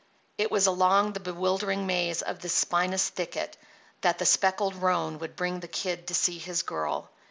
It was along the bewildering maze of this spinous thicket that the speckled roan would bring the Kid to see his girl.